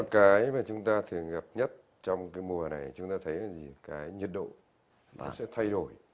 cái mà chúng ta thường gặp nhất trong cái mùa này chúng ta thấy là gì cái nhiệt độ nó sẽ thay đổi